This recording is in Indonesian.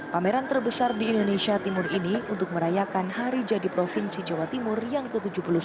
pameran terbesar di indonesia timur ini untuk merayakan hari jadi provinsi jawa timur yang ke tujuh puluh satu